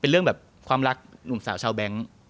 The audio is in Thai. เรื่องแบบความรักหนุ่มสาวชาวแบงค์